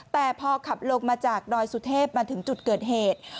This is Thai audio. แต่พอขับลงมาจากดอยสุเทพมาถึงจุดเกิดเหตุ